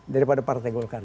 daripada partai golkar